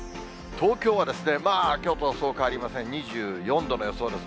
東京はまあ、きょうとそう変わりません、２４度の予想です。